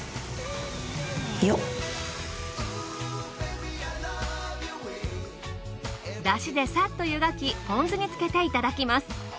よっ！だしでサッとゆがきポン酢につけていただきます。